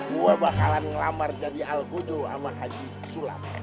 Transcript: gue bakalan ngelamar jadi al qudu sama haji sulam